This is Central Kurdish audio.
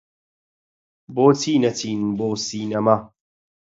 بۆچی نەچین بۆ سینەما؟